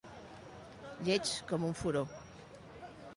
Lleig com un furó.